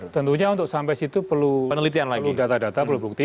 tentunya untuk sampai situ perlu data data perlu bukti